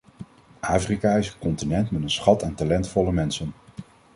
Afrika is een continent met een schat aan talentvolle mensen.